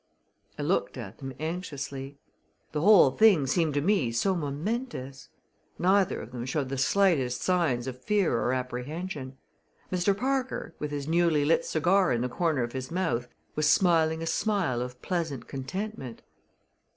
I looked at them anxiously. The whole thing seemed to me so momentous. Neither of them showed the slightest signs of fear or apprehension. Mr. Parker, with his newly lit cigar in the corner of his mouth, was smiling a smile of pleasant contentment.